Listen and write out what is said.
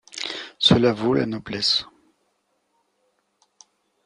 Cela vaut la noblesse.